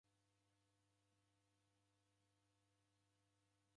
Leka nilisa huw'o.